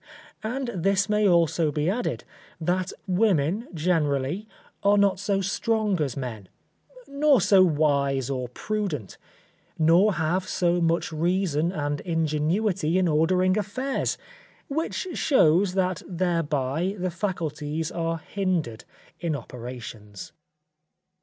And this may also be added, that women, generally, are not so strong as men, nor so wise or prudent; nor have so much reason and ingenuity in ordering affairs; which shows that thereby the faculties are hindered in operations.